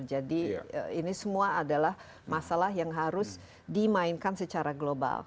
jadi ini semua adalah masalah yang harus dimainkan secara global